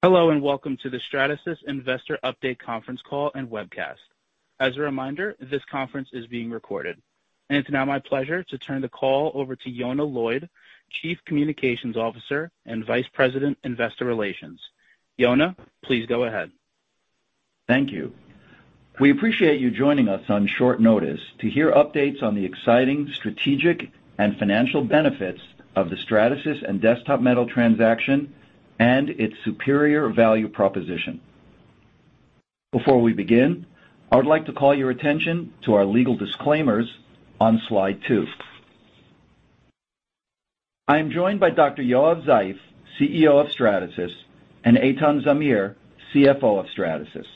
Hello, welcome to the Stratasys Investor Update Conference Call and Webcast. As a reminder, this conference is being recorded. It's now my pleasure to turn the call over to Yonah Lloyd, Chief Communications Officer and Vice President, Investor Relations. Yonah, please go ahead. Thank you. We appreciate you joining us on short notice to hear updates on the exciting strategic and financial benefits of the Stratasys and Desktop Metal transaction and its superior value proposition. Before we begin, I would like to call your attention to our legal disclaimers on Slide 2. I am joined by Dr. Yoav Zeif, CEO of Stratasys, and Eitan Zamir, CFO of Stratasys.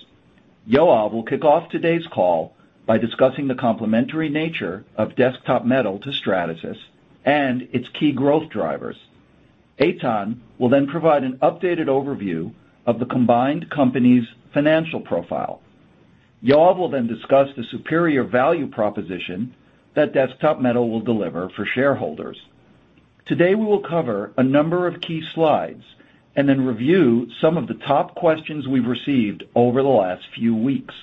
Yoav will kick off today's call by discussing the complementary nature of Desktop Metal to Stratasys and its key growth drivers. Eitan will provide an updated overview of the combined company's financial profile. Yoav will discuss the superior value proposition that Desktop Metal will deliver for shareholders. Today, we will cover a number of key slides and then review some of the top questions we've received over the last few weeks.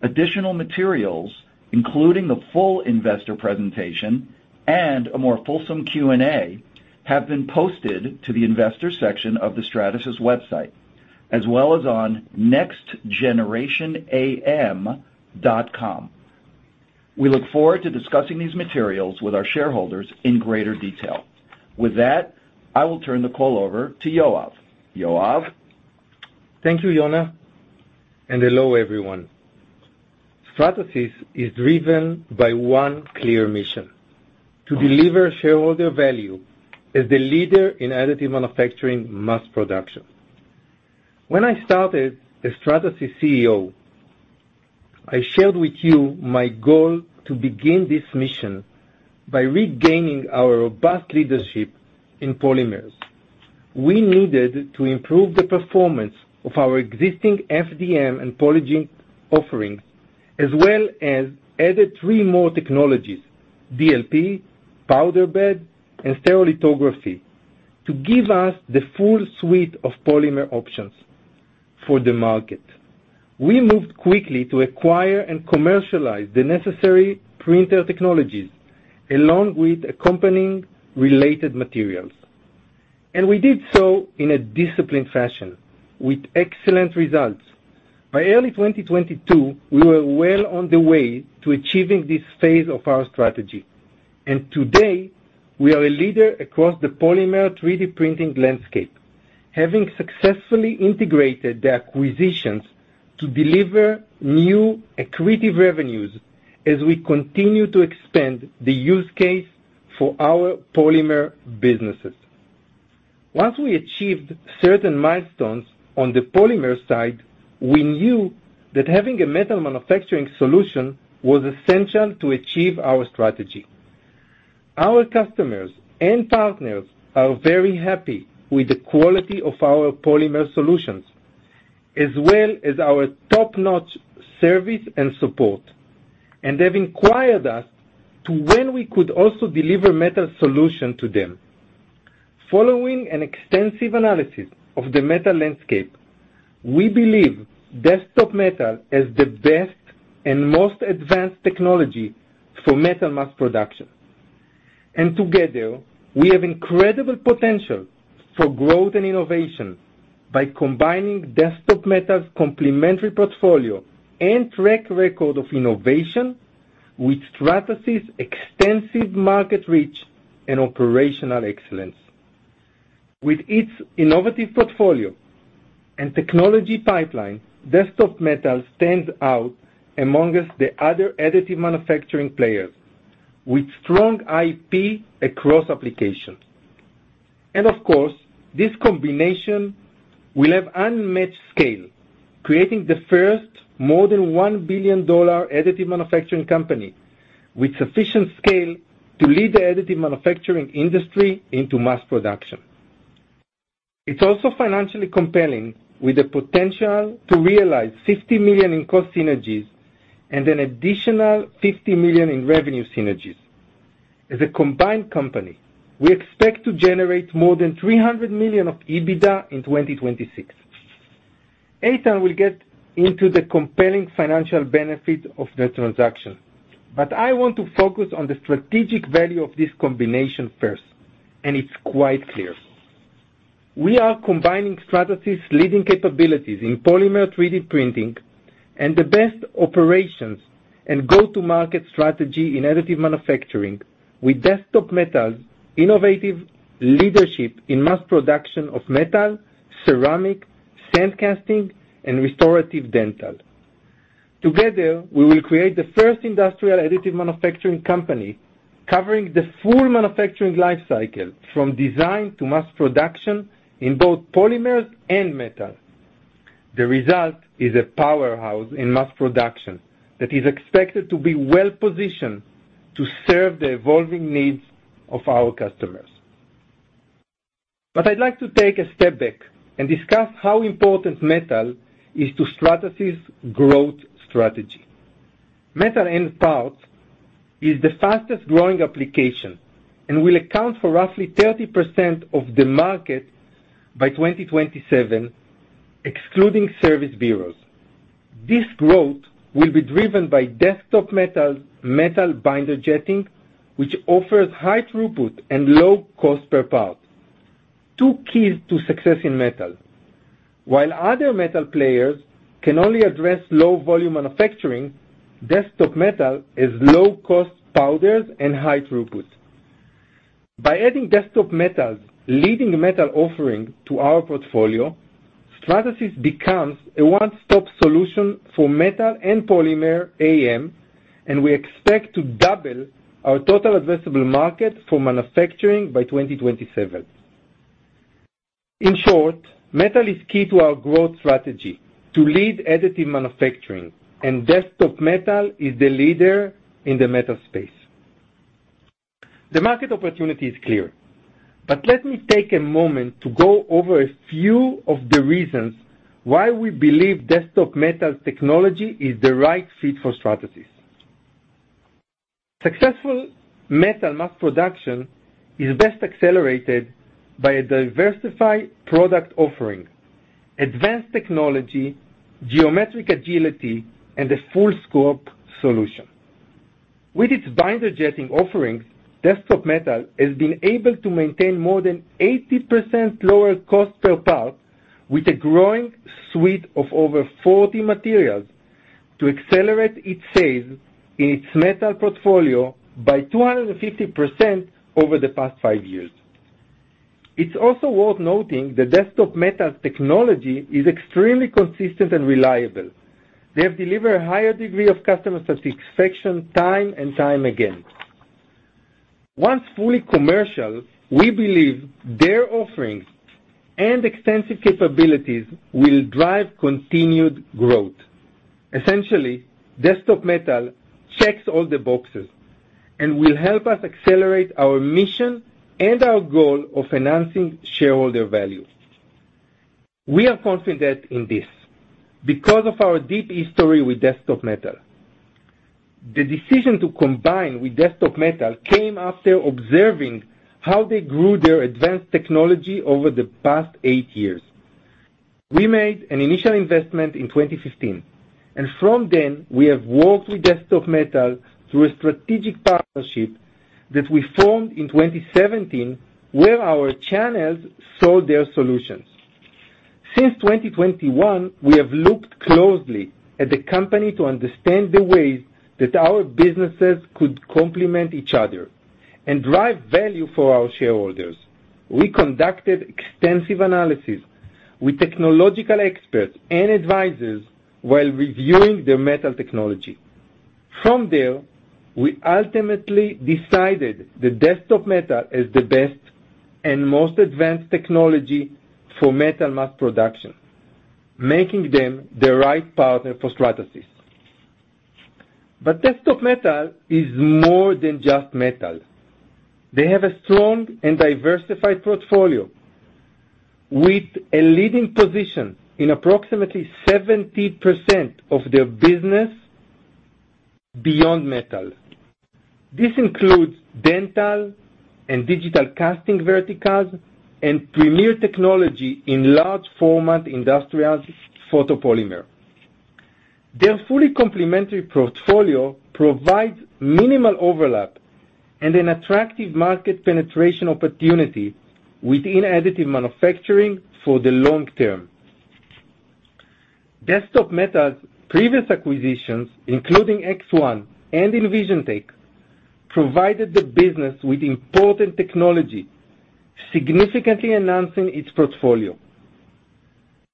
Additional materials, including the full investor presentation and a more fulsome Q&A, have been posted to the investor section of the Stratasys website, as well as on nextgenerationam.com. We look forward to discussing these materials with our shareholders in greater detail. With that, I will turn the call over to Yoav. Yoav? Thank you, Yonah. Hello, everyone. Stratasys is driven by one clear mission, to deliver shareholder value as the leader in additive manufacturing mass production. When I started as Stratasys CEO, I shared with you my goal to begin this mission by regaining our robust leadership in polymers. We needed to improve the performance of our existing FDM and PolyJet offerings, as well as added three more technologies, DLP, powder bed, and stereolithography, to give us the full suite of polymer options for the market. We moved quickly to acquire and commercialize the necessary printer technologies, along with accompanying related materials. We did so in a disciplined fashion with excellent results. By early 2022, we were well on the way to achieving this phase of our strategy. Today, we are a leader across the polymer 3D printing landscape, having successfully integrated the acquisitions to deliver new accretive revenues as we continue to expand the use case for our polymer businesses. Once we achieved certain milestones on the polymer side, we knew that having a metal manufacturing solution was essential to achieve our strategy. Our customers and partners are very happy with the quality of our polymer solutions, as well as our top-notch service and support. They've inquired us to when we could also deliver metal solution to them. Following an extensive analysis of the metal landscape, we believe Desktop Metal is the best and most advanced technology for metal mass production. Together, we have incredible potential for growth and innovation by combining Desktop Metal's complementary portfolio and track record of innovation with Stratasys extensive market reach and operational excellence. With its innovative portfolio and technology pipeline, Desktop Metal stands out amongst the other additive manufacturing players, with strong IP across applications. Of course, this combination will have unmatched scale, creating the first more than $1 billion additive manufacturing company, with sufficient scale to lead the additive manufacturing industry into mass production. It's also financially compelling, with the potential to realize $50 million in cost synergies and an additional $50 million in revenue synergies. As a combined company, we expect to generate more than $300 million of EBITDA in 2026. Eitan will get into the compelling financial benefit of the transaction, I want to focus on the strategic value of this combination first, and it's quite clear. We are combining Stratasys leading capabilities in polymer 3D printing and the best operations and go-to-market strategy in additive manufacturing with Desktop Metal's innovative leadership in mass production of metal, ceramic, sand casting, and restorative dental. Together, we will create the first industrial additive manufacturing company, covering the full manufacturing life cycle, from design to mass production in both polymers and metal. The result is a powerhouse in mass production that is expected to be well-positioned to serve the evolving needs of our customers. I'd like to take a step back and discuss how important metal is to Stratasys' growth strategy. Metal end parts is the fastest growing application and will account for roughly 30% of the market by 2027, excluding service bureaus. This growth will be driven by Desktop Metal's metal binder jetting, which offers high throughput and low cost per part, two keys to success in metal. While other metal players can only address low volume manufacturing, Desktop Metal is low cost powders and high throughput. By adding Desktop Metal's leading metal offering to our portfolio, Stratasys becomes a one-stop solution for metal and polymer AM, and we expect to double our total addressable market for manufacturing by 2027. In short, metal is key to our growth strategy to lead additive manufacturing, and Desktop Metal is the leader in the metal space. The market opportunity is clear. Let me take a moment to go over a few of the reasons why we believe Desktop Metal technology is the right fit for Stratasys. Successful metal mass production is best accelerated by a diversified product offering, advanced technology, geometric agility, and a full scope solution. With its binder jetting offerings, Desktop Metal has been able to maintain more than 80% lower cost per part, with a growing suite of over 40 materials, to accelerate its sales in its metal portfolio by 250% over the past five years. It's also worth noting that Desktop Metal's technology is extremely consistent and reliable. They have delivered a higher degree of customer satisfaction, time and time again. Once fully commercial, we believe their offerings and extensive capabilities will drive continued growth. Essentially, Desktop Metal checks all the boxes and will help us accelerate our mission and our goal of enhancing shareholder value. We are confident in this because of our deep history with Desktop Metal. The decision to combine with Desktop Metal came after observing how they grew their advanced technology over the past eight years. We made an initial investment in 2015, and from then, we have worked with Desktop Metal through a strategic partnership that we formed in 2017, where our channels sold their solutions. Since 2021, we have looked closely at the company to understand the ways that our businesses could complement each other and drive value for our shareholders. We conducted extensive analysis with technological experts and advisors while reviewing their metal technology. From there, we ultimately decided that Desktop Metal is the best and most advanced technology for metal mass production, making them the right partner for Stratasys. Desktop Metal is more than just metal. They have a strong and diversified portfolio, with a leading position in approximately 70% of their business beyond metal. This includes dental and digital casting verticals and premier technology in large format industrial photopolymer. Their fully complementary portfolio provides minimal overlap and an attractive market penetration opportunity within additive manufacturing for the long term. Desktop Metal's previous acquisitions, including ExOne and EnvisionTEC, provided the business with important technology, significantly enhancing its portfolio.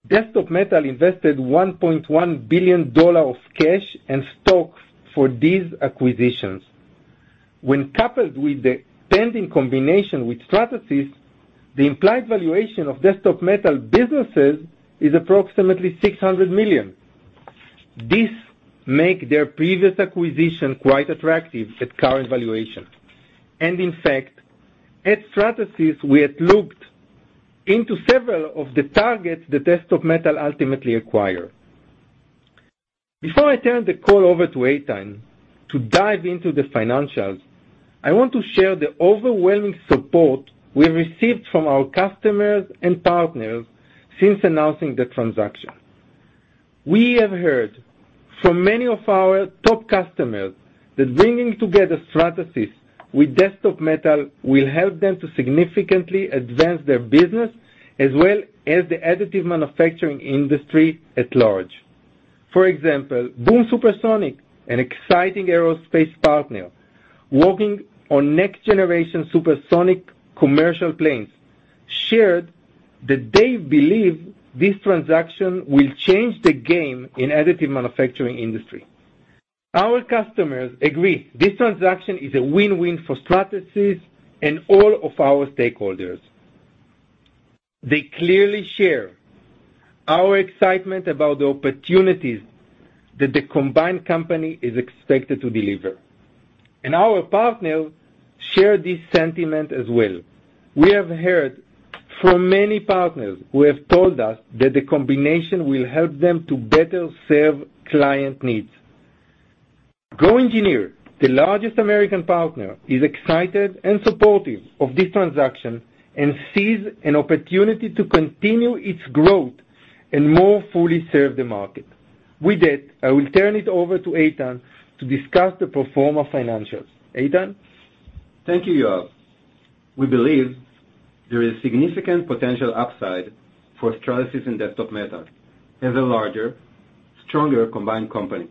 Desktop Metal invested $1.1 billion of cash and stocks for these acquisitions. When coupled with the pending combination with Stratasys, the implied valuation of Desktop Metal businesses is approximately $600 million. This make their previous acquisition quite attractive at current valuation, and in fact, at Stratasys, we had looked into several of the targets that Desktop Metal ultimately acquired. Before I turn the call over to Eitan to dive into the financials, I want to share the overwhelming support we've received from our customers and partners since announcing the transaction. We have heard from many of our top customers that bringing together Stratasys with Desktop Metal will help them to significantly advance their business, as well as the additive manufacturing industry at large. For example, Boom Supersonic, an exciting aerospace partner working on next generation supersonic commercial planes, shared that they believe this transaction will change the game in additive manufacturing industry. Our customers agree this transaction is a win-win for Stratasys and all of our stakeholders. They clearly share our excitement about the opportunities that the combined company is expected to deliver. Our partners share this sentiment as well. We have heard from many partners who have told us that the combination will help them to better serve client needs. GoEngineer, the largest American partner, is excited and supportive of this transaction, and sees an opportunity to continue its growth and more fully serve the market. With that, I will turn it over to Eitan to discuss the pro forma financials. Eitan? Thank you, Yoav. We believe there is significant potential upside for Stratasys and Desktop Metal as a larger, stronger combined company.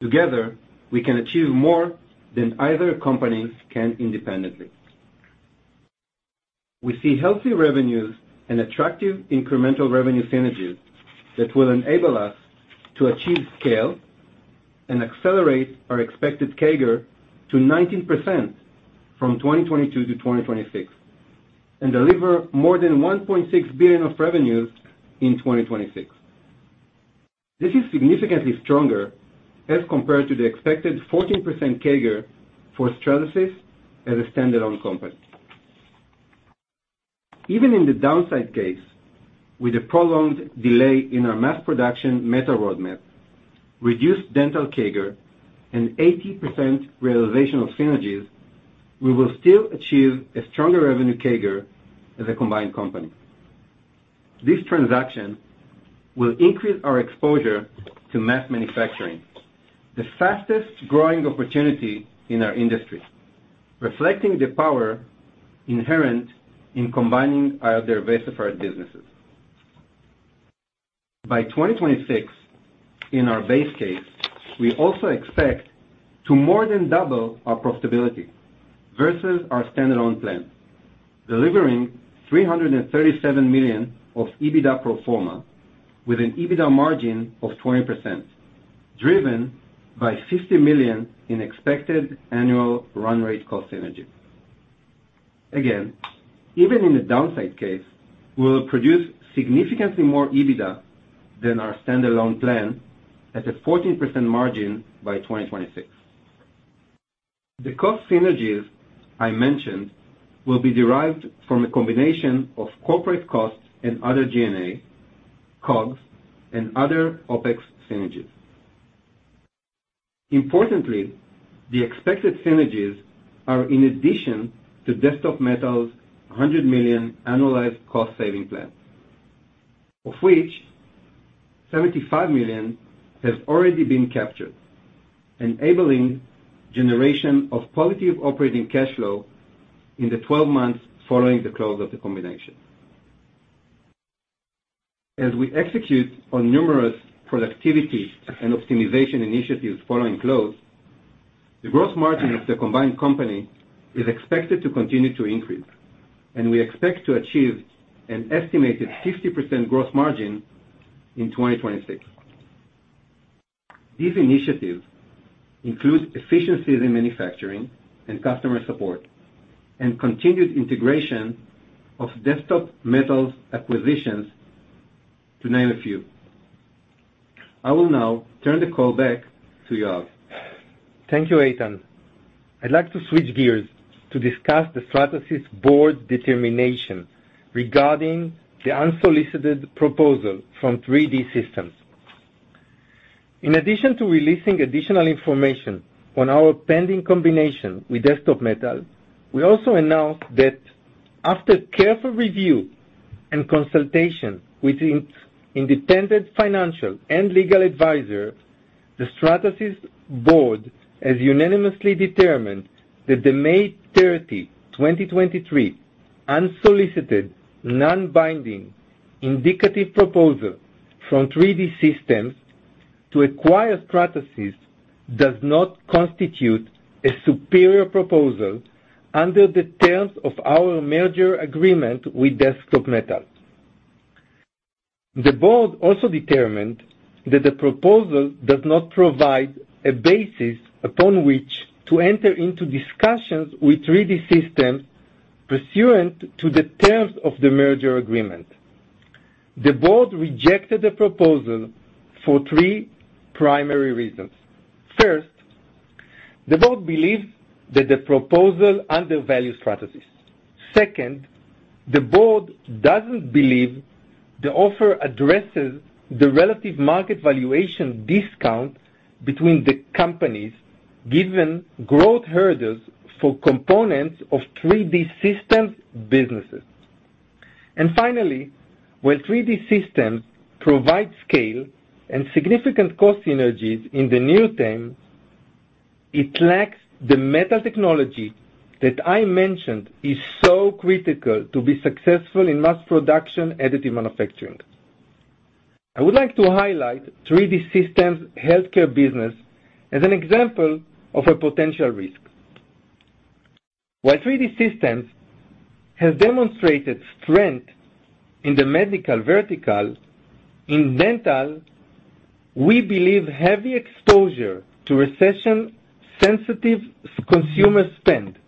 Together, we can achieve more than either company can independently. We see healthy revenues and attractive incremental revenue synergies that will enable us to achieve scale and accelerate our expected CAGR to 19% from 2022 to 2026, and deliver more than $1.6 billion of revenues in 2026. This is significantly stronger as compared to the expected 14% CAGR for Stratasys as a standalone company. Even in the downside case, with a prolonged delay in our mass production metal roadmap, reduced dental CAGR, and 80% realization of synergies, we will still achieve a stronger revenue CAGR as a combined company. This transaction will increase our exposure to mass manufacturing, the fastest growing opportunity in our industry, reflecting the power inherent in combining our diversified businesses. By 2026, in our base case, we also expect to more than double our profitability versus our standalone plan, delivering $337 million of EBITDA pro forma, with an EBITDA margin of 20%, driven by $50 million in expected annual run rate cost synergies. Even in the downside case, we will produce significantly more EBITDA than our standalone plan at a 14% margin by 2026. The cost synergies I mentioned will be derived from a combination of corporate costs and other G&A, COGS, and other OpEx synergies. Importantly, the expected synergies are in addition to Desktop Metal's $100 million annualized cost saving plan, of which $75 million has already been captured, enabling generation of positive operating cash flow in the 12 months following the close of the combination. As we execute on numerous productivity and optimization initiatives following close, the gross margin of the combined company is expected to continue to increase, and we expect to achieve an estimated 50% growth margin in 2026. These initiatives include efficiencies in manufacturing and customer support, and continued integration of Desktop Metal's acquisitions, to name a few. I will now turn the call back to Yoav. Thank you, Eitan. I'd like to switch gears to discuss the Stratasys board determination regarding the unsolicited proposal from 3D Systems. In addition to releasing additional information on our pending combination with Desktop Metal, we also announced that after careful review and consultation with its independent financial and legal advisor, the Stratasys board has unanimously determined that the May 30, 2023 unsolicited, non-binding, indicative proposal from 3D Systems to acquire Stratasys does not constitute a superior proposal under the terms of our merger agreement with Desktop Metal. The board also determined that the proposal does not provide a basis upon which to enter into discussions with 3D Systems pursuant to the terms of the merger agreement. The board rejected the proposal for three primary reasons. First, the board believes that the proposal undervalues Stratasys. Second, the board doesn't believe the offer addresses the relative market valuation discount between the companies, given growth hurdles for components of 3D Systems businesses. Finally, while 3D Systems provides scale and significant cost synergies in the near term, it lacks the metal technology that I mentioned is so critical to be successful in mass production additive manufacturing. I would like to highlight 3D Systems' healthcare business as an example of a potential risk. While 3D Systems has demonstrated strength in the medical vertical, in dental, we believe heavy exposure to recession-sensitive consumer spend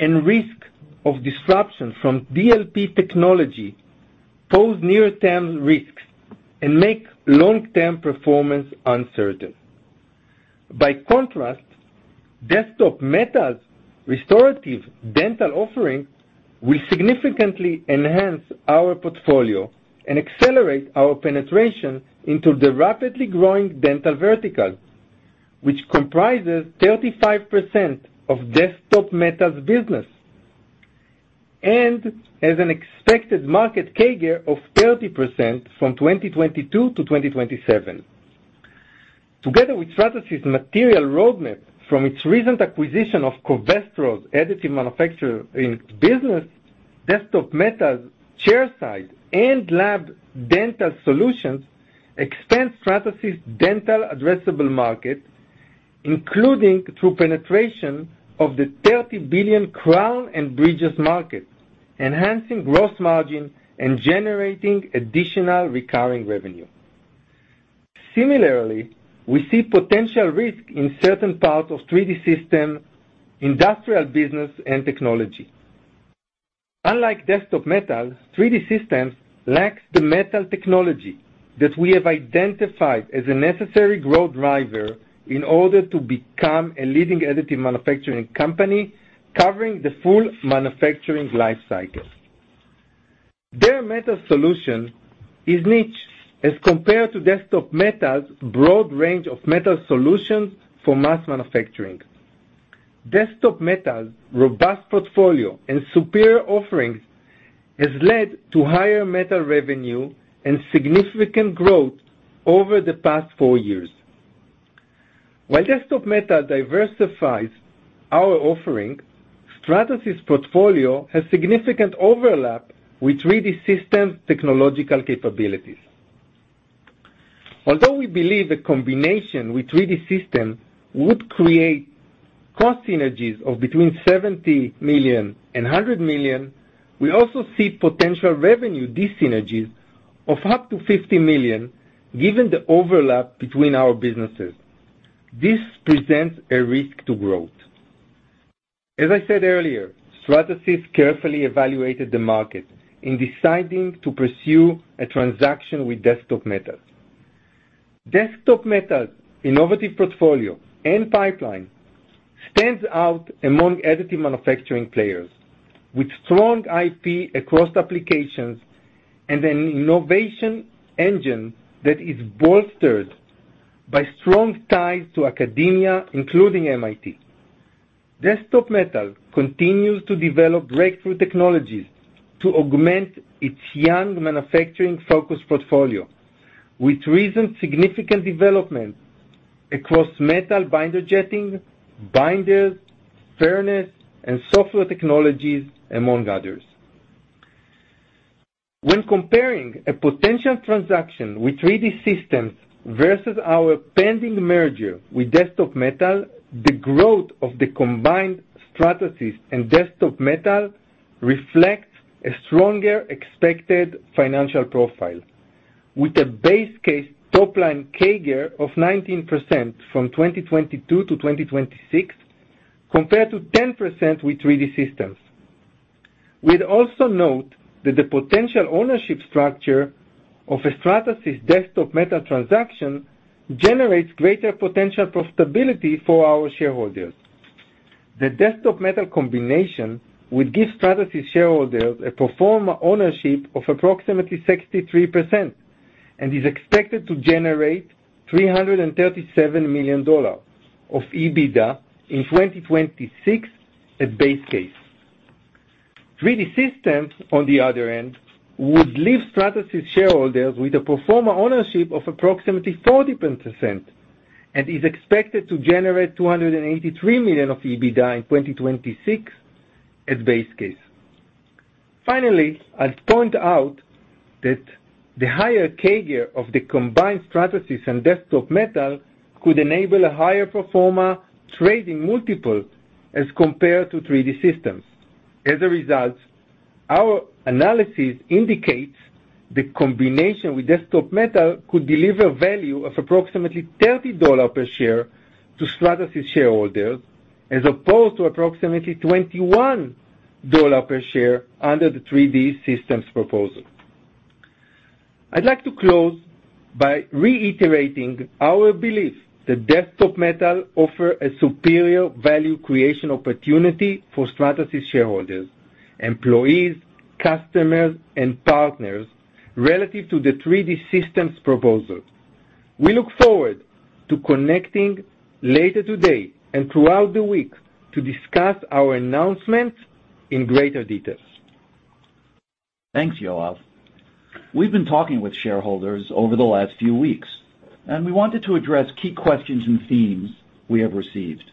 and risk of disruption from DLP technology pose near-term risks and make long-term performance uncertain. By contrast, Desktop Metal's restorative dental offering will significantly enhance our portfolio and accelerate our penetration into the rapidly growing dental vertical, which comprises 35% of Desktop Metal's business, and has an expected market CAGR of 30% from 2022 to 2027. Together with Stratasys' material roadmap from its recent acquisition of Covestro's additive manufacturing business, Desktop Metal, chairside, and lab dental solutions extend Stratasys' dental addressable market, including through penetration of the $30 billion crowns and bridges market, enhancing gross margin and generating additional recurring revenue. Similarly, we see potential risk in certain parts of 3D Systems' industrial business, and technology. Unlike Desktop Metal, 3D Systems lacks the metal technology that we have identified as a necessary growth driver in order to become a leading additive manufacturing company, covering the full manufacturing life cycle. Their metal solution is niche as compared to Desktop Metal's broad range of metal solutions for mass manufacturing. Desktop Metal's robust portfolio and superior offerings has led to higher metal revenue and significant growth over the past four years. While Desktop Metal diversifies our offering, Stratasys portfolio has significant overlap with 3D Systems technological capabilities. Although we believe the combination with 3D Systems would create cost synergies of between $70 million and $100 million, we also see potential revenue dyssynergies of up to $50 million, given the overlap between our businesses. This presents a risk to growth. As I said earlier, Stratasys carefully evaluated the market in deciding to pursue a transaction with Desktop Metal. Desktop Metal's innovative portfolio and pipeline stands out among additive manufacturing players, with strong IP across applications and an innovation engine that is bolstered by strong ties to academia, including MIT. Desktop Metal continues to develop breakthrough technologies to augment its young manufacturing-focused portfolio, with recent significant development across metal binder jetting, binders, furnaces, and software technologies, among others. When comparing a potential transaction with 3D Systems versus our pending merger with Desktop Metal, the growth of the combined Stratasys and Desktop Metal reflects a stronger expected financial profile, with a base case top-line CAGR of 19% from 2022 to 2026, compared to 10% with 3D Systems. We'd also note that the potential ownership structure of a Stratasys-Desktop Metal transaction generates greater potential profitability for our shareholders. The Desktop Metal combination would give Stratasys shareholders a pro forma ownership of approximately 63% and is expected to generate $337 million of EBITDA in 2026 at base case. 3D Systems, on the other hand, would leave Stratasys shareholders with a pro forma ownership of approximately 40% and is expected to generate $283 million of EBITDA in 2026 at base case. I'd point out that the higher CAGR of the combined Stratasys and Desktop Metal could enable a higher pro forma trading multiple as compared to 3D Systems. Our analysis indicates the combination with Desktop Metal could deliver value of approximately $30 per share to Stratasys shareholders, as opposed to approximately $21 per share under the 3D Systems proposal. I'd like to close by reiterating our belief that Desktop Metal offer a superior value creation opportunity for Stratasys shareholders, employees, customers, and partners relative to the 3D Systems proposal. We look forward to connecting later today and throughout the week to discuss our announcement in greater details. Thanks, Yoav. We've been talking with shareholders over the last few weeks. We wanted to address key questions and themes we have received.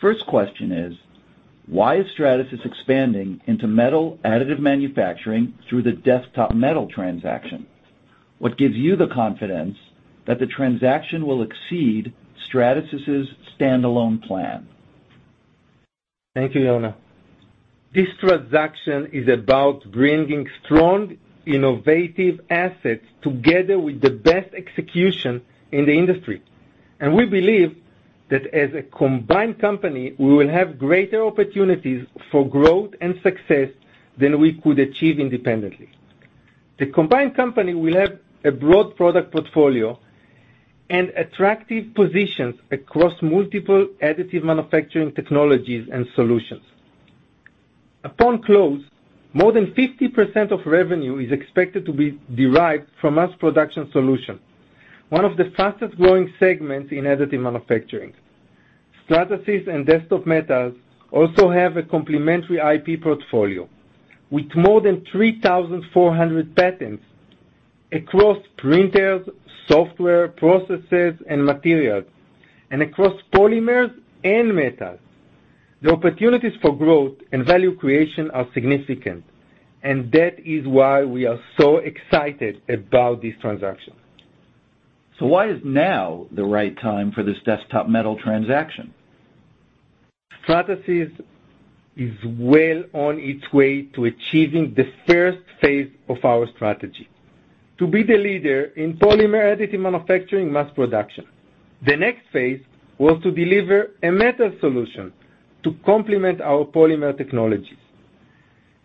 First question is: Why is Stratasys expanding into metal additive manufacturing through the Desktop Metal transaction? What gives you the confidence that the transaction will exceed Stratasys' standalone plan? Thank you, Yonah. This transaction is about bringing strong, innovative assets together with the best execution in the industry. We believe that as a combined company, we will have greater opportunities for growth and success than we could achieve independently. The combined company will have a broad product portfolio and attractive positions across multiple additive manufacturing technologies and solutions. Upon close, more than 50% of revenue is expected to be derived from mass production solution, one of the fastest growing segments in additive manufacturing. Stratasys and Desktop Metal also have a complementary IP portfolio, with more than 3,400 patents across printers, software, processes, and materials, and across polymers and metals. The opportunities for growth and value creation are significant. That is why we are so excited about this transaction. Why is now the right time for this Desktop Metal transaction? Stratasys is well on its way to achieving the first phase of our strategy, to be the leader in polymer additive manufacturing mass production. The next phase was to deliver a metal solution to complement our polymer technologies.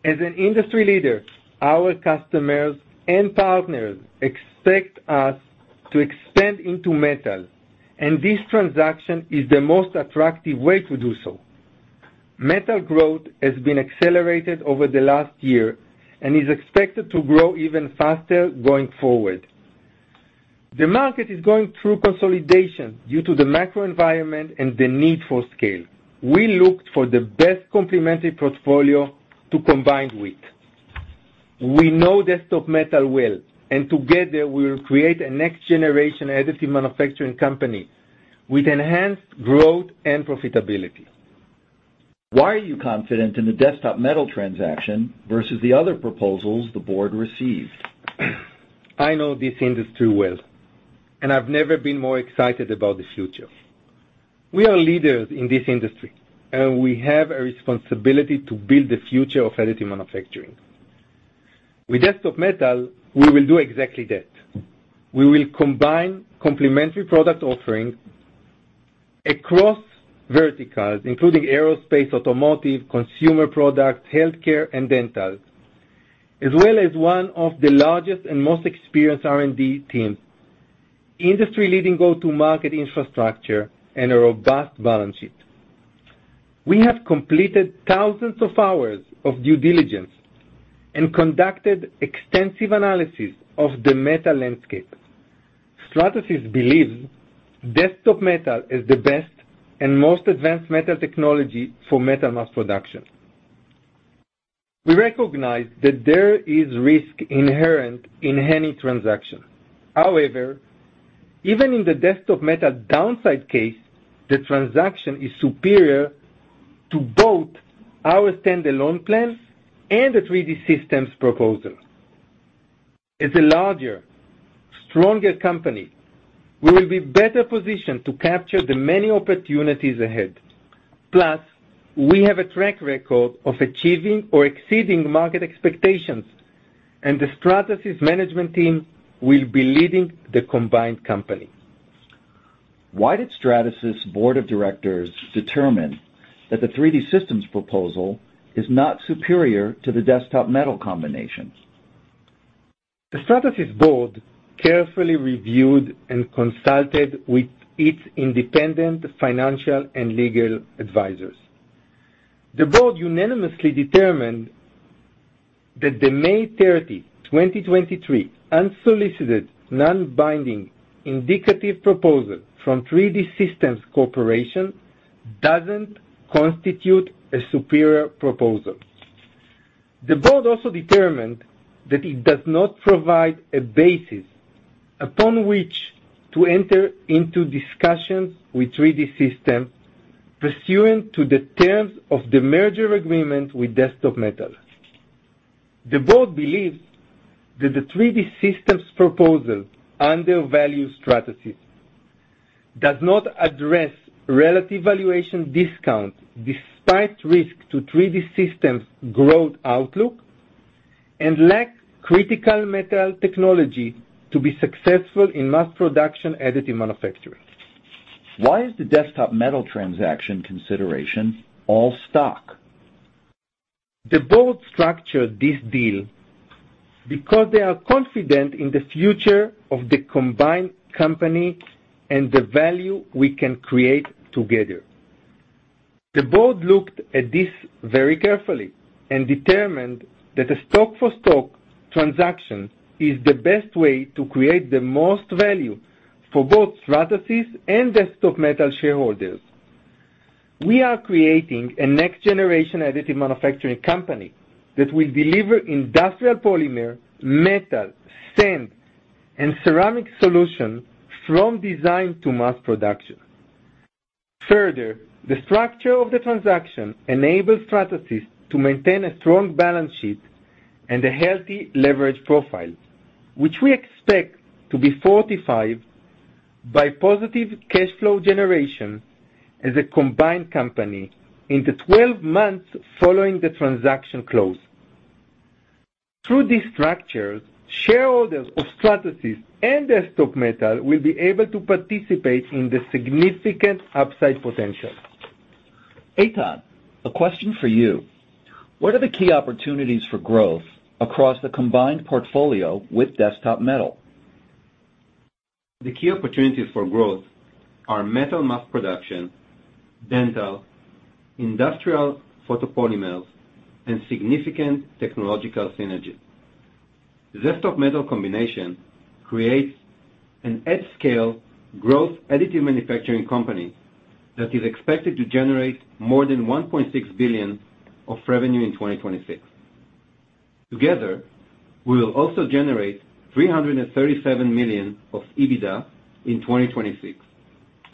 As an industry leader, our customers and partners expect us to extend into metal, and this transaction is the most attractive way to do so. Metal growth has been accelerated over the last year and is expected to grow even faster going forward. The market is going through consolidation due to the macro environment and the need for scale. We looked for the best complementary portfolio to combine with. We know Desktop Metal well, and together we will create a next generation additive manufacturing company with enhanced growth and profitability. Why are you confident in the Desktop Metal transaction versus the other proposals the board received? I know this industry well. I've never been more excited about the future. We are leaders in this industry. We have a responsibility to build the future of additive manufacturing. With Desktop Metal, we will do exactly that. We will combine complementary product offerings across verticals, including aerospace, automotive, consumer products, healthcare, and dental, as well as one of the largest and most experienced R&D teams, industry-leading go-to market infrastructure, and a robust balance sheet. We have completed thousands of hours of due diligence and conducted extensive analysis of the metal landscape. Stratasys believes Desktop Metal is the best and most advanced metal technology for metal mass production. We recognize that there is risk inherent in any transaction. However, even in the Desktop Metal downside case, the transaction is superior to both our stand-alone plan and the 3D Systems proposal. As a larger, stronger company, we will be better positioned to capture the many opportunities ahead. Plus, we have a track record of achieving or exceeding market expectations, and the Stratasys management team will be leading the combined company. Why did Stratasys' board of directors determine that the 3D Systems proposal is not superior to the Desktop Metal combination? The Stratasys board carefully reviewed and consulted with its independent financial and legal advisors. The board unanimously determined that the May 30, 2023 unsolicited, non-binding, indicative proposal from 3D Systems Corporation doesn't constitute a superior proposal. The board also determined that it does not provide a basis upon which to enter into discussions with 3D Systems pursuant to the terms of the merger agreement with Desktop Metal. The board believes that the 3D Systems proposal undervalues Stratasys, does not address relative valuation discount, despite risk to 3D Systems' growth outlook, and lacks critical metal technology to be successful in mass production additive manufacturing. Why is the Desktop Metal transaction consideration all stock? The board structured this deal because they are confident in the future of the combined company and the value we can create together. The board looked at this very carefully and determined that a stock-for-stock transaction is the best way to create the most value for both Stratasys and Desktop Metal shareholders. We are creating a next generation additive manufacturing company that will deliver industrial polymer, metal, sand, and ceramic solutions from design to mass production. Further, the structure of the transaction enables Stratasys to maintain a strong balance sheet and a healthy leverage profile, which we expect to be fortified by positive cash flow generation as a combined company in the 12 months following the transaction close. Through this structure, shareholders of Stratasys and Desktop Metal will be able to participate in the significant upside potential. Eitan, a question for you: What are the key opportunities for growth across the combined portfolio with Desktop Metal? The key opportunities for growth are metal mass production, dental, industrial photopolymers, and significant technological synergies. The Desktop Metal combination creates an at-scale growth additive manufacturing company that is expected to generate more than $1.6 billion of revenue in 2026. Together, we will also generate $337 million of EBITDA in 2026,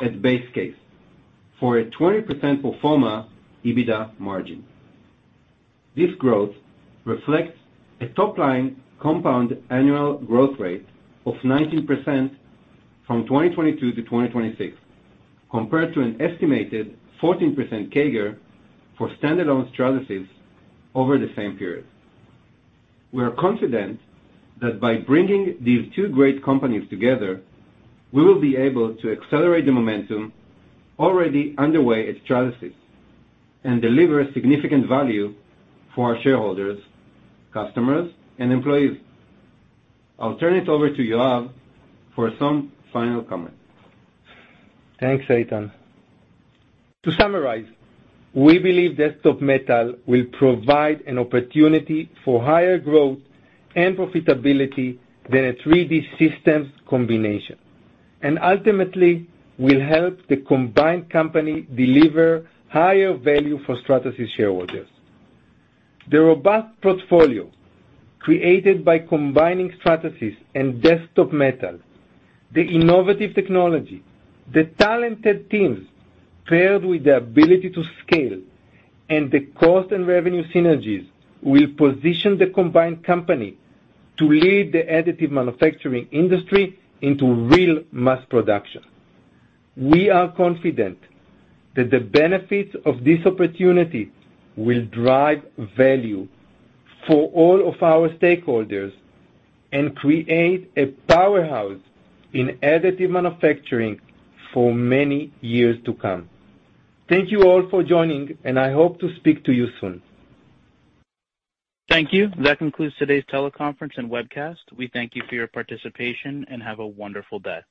at base case, for a 20% pro forma EBITDA margin. This growth reflects a top-line compound annual growth rate of 19% from 2022 to 2026, compared to an estimated 14% CAGR for standalone Stratasys over the same period. We are confident that by bringing these two great companies together, we will be able to accelerate the momentum already underway at Stratasys and deliver significant value for our shareholders, customers, and employees. I'll turn it over to Yoav for some final comments. Thanks, Eitan. To summarize, we believe Desktop Metal will provide an opportunity for higher growth and profitability than a 3D Systems combination, and ultimately, will help the combined company deliver higher value for Stratasys shareholders. The robust portfolio, created by combining Stratasys and Desktop Metal, the innovative technology, the talented teams, paired with the ability to scale, and the cost and revenue synergies, will position the combined company to lead the additive manufacturing industry into real mass production. We are confident that the benefits of this opportunity will drive value for all of our stakeholders and create a powerhouse in additive manufacturing for many years to come. Thank you all for joining, and I hope to speak to you soon. Thank you. That concludes today's teleconference and webcast. We thank you for your participation, have a wonderful day.